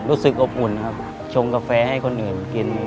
รู้สึกอบอุ่นครับชงกาแฟให้คนอื่นกิน